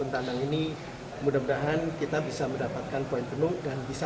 dan semoga kita bisa mendapatkan poin penuh dan bisa meraih kemenangan